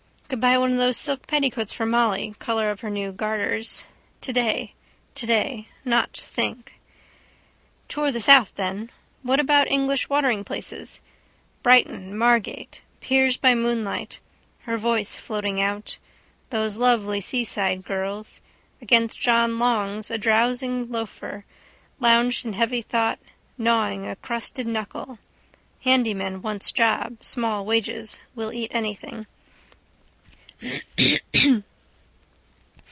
Could buy one of those silk petticoats for Molly, colour of her new garters. Today. Today. Not think. Tour the south then. What about English wateringplaces? Brighton, Margate. Piers by moonlight. Her voice floating out. Those lovely seaside girls. Against John Long's a drowsing loafer lounged in heavy thought, gnawing a crusted knuckle. Handy man wants job. Small wages. Will eat anything.